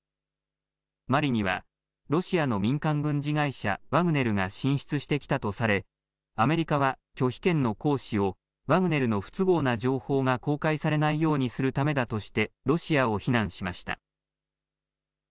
マリにはロシアの民間軍事会社、ワグネルが進出してきたとされアメリカは拒否権の行使をワグネルの不都合な情報が公開されないようにするためだとしてロシアを非難しました。